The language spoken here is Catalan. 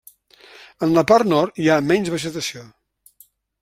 En la part nord hi ha menys vegetació.